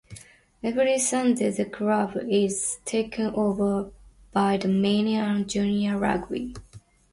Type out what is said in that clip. Every Sunday the club is taken over by the mini and junior rugby.